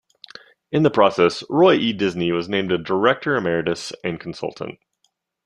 In the process, Roy E. Disney was named a Director Emeritus and Consultant.